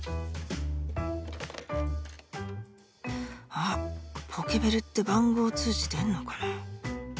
あっポケベルって番号通知出んのかな？